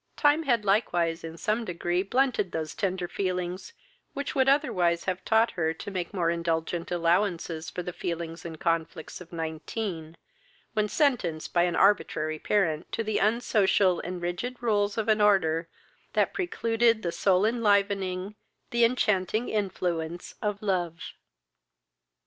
Time had likewise in some degree blunted those tender feelings which would otherwise have taught her to make more indulgent allowances for the feelings and conflicts of nineteen, when sentenced by an arbitrary parent to the unsocial and rigid rules of an order that precluded the soul enlivening, the enchanting influence of love.